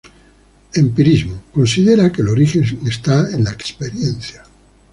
Empirismo: Considera que el origen está en la experiencia.